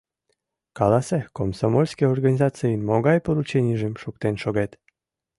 Каласе, комсомольский организацийын могай порученийжым шуктен шогет?